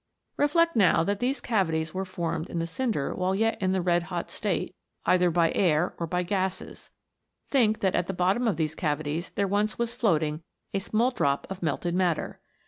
Reflect now that these cavities were formed in the cinder while yet in the red hot state, either by air or by gases. Think that at the bottom of these cavities there once was floating a small drop of melted matter.